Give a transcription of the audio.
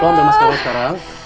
lo ambil maskara sekarang